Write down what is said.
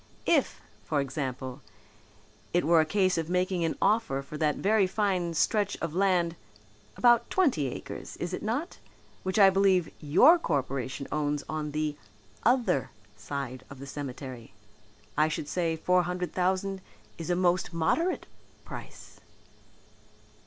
If, for example, it were a case of making an offer for that very fine stretch of land, about twenty acres, is it not, which I believe your Corporation owns on the other side of the cemetery, I should say four hundred thousand is a most modest price."